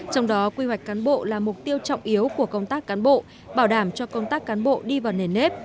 trong đó quy hoạch cán bộ là mục tiêu trọng yếu của công tác cán bộ bảo đảm cho công tác cán bộ đi vào nền nếp